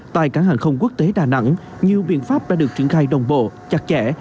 tại cảng hàng không quốc tế đà nẵng nhiều biện pháp đã được triển khai đồng bộ chặt chẽ